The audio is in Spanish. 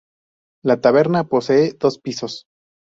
La taberna posee dos pisos.